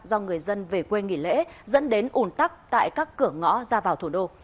do người dân về quê nghỉ lễ dẫn đến ủn tắc tại các cửa ngõ ra vào thủ đô